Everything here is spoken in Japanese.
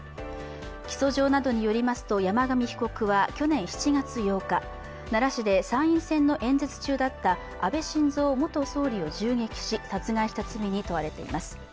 起訴状などによりますと、山上被告は去年７月８日、奈良市で参院選の演説中だった安倍晋三元総理を銃撃し、殺害した罪に問われています。